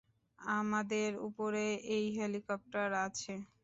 আমাদের উপরে একটা হেলিকপ্টার আছে।